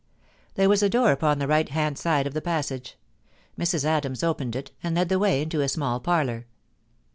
There was a door upon the right hand side of the passage. Mrs. Adams opened it, and led the way into a small parlour.